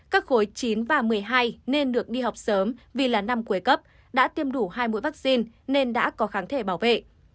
các khối chín và một mươi hai nên được đi học sớm vì là năm cuối cấp đã tiêm đủ hai mũi vaccine nên đã có kháng thể bảo vệ